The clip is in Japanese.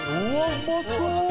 うまそう！